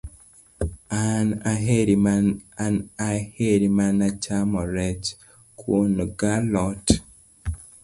An aheri mana chamo rech, kuona ga alot